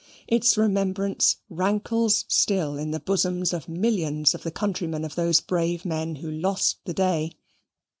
Its remembrance rankles still in the bosoms of millions of the countrymen of those brave men who lost the day.